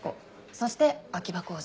そして秋葉浩二。